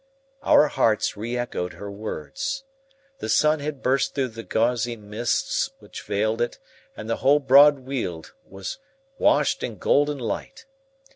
Our hearts re echoed her words. The sun had burst through the gauzy mists which veiled it, and the whole broad Weald was washed in golden light.